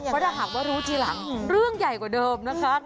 เพราะถ้าหากว่ารู้ทีหลังเรื่องใหญ่กว่าเดิมนะคะ